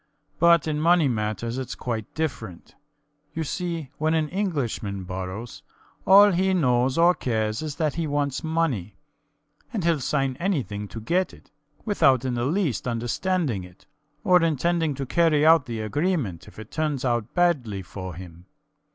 But in money matters it's quite different. You see, when an Englishman borrows, all he knows or cares is that he wants money; and he'll sign anything to get it, without in the least understanding it, or intending to carry out the agreement if it turns out badly for him.